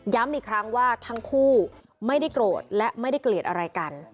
อีกครั้งว่าทั้งคู่ไม่ได้โกรธและไม่ได้เกลียดอะไรกัน